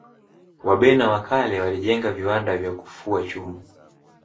wabena wa kale walijenga viwanda vya kufua vyuma